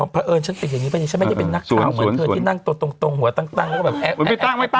อ๋อพระเอิญฉันติดอย่างนี้ไปใช่ไหมไม่เป็นนักค้าเหมือนเธอที่นั่งตรงหัวตั้งแล้วก็แอ๊บ